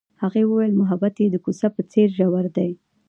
هغې وویل محبت یې د کوڅه په څېر ژور دی.